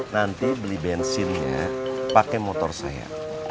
nanti beli bensinnya pakai motor saya